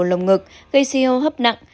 lồng ngực gây suy hô hấp nặng